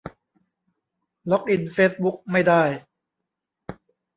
ล็อกอินเฟซบุ๊กไม่ได้